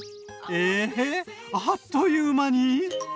ええっあっという間に！